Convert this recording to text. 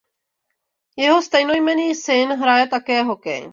Jeho stejnojmenný syn hraje také hokej.